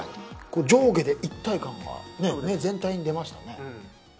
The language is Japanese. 上下で一体感が全体に出ましたね。